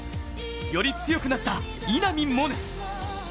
より強くなった稲見萌寧。